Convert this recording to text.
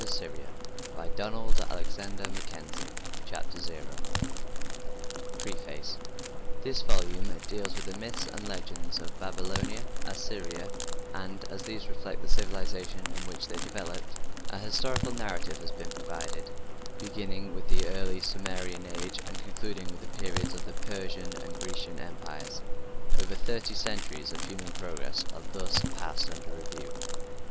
The Last Days of Assyria and Babylonia PREFACE This volume deals with the myths and legends of Babylonia and Assyria, and as these reflect the civilization in which they developed, a historical narrative has been provided, beginning with the early Sumerian Age and concluding with the periods of the Persian and Grecian Empires. Over thirty centuries of human progress are thus passed under review.